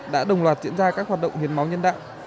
đã đồng loạt diễn ra các hoạt động hiến máu nhân đạo